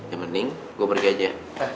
ya mending gue pergi aja